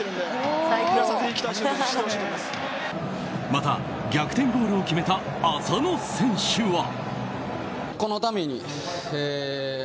また、逆転ゴールを決めた浅野選手は。